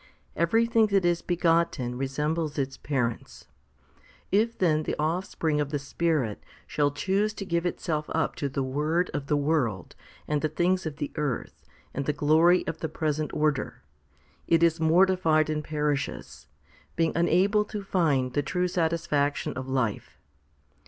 Everything that is begotten resembles its parents. If then the offspring of the Spirit shall choose to give itself up to the word of the world and the things of the earth and the glory of the present order, it is mortified and perishes, being unable to find the true satisfaction of life.